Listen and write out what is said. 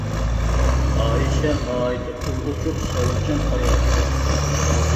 ئائىشە ناھايىتى قولى ئوچۇق، سەۋرچان ئايال ئىدى.